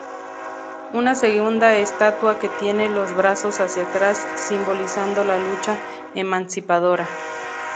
Una segunda estatua que tiene los brazos hacia atrás, simbolizando la lucha emancipadora.